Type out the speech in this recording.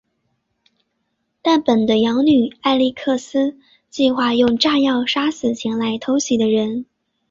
但本的养女艾莉克斯计划用炸药杀死前来偷袭的人。